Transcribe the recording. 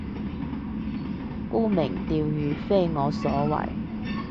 沽名釣譽非我所為